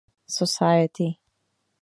Society.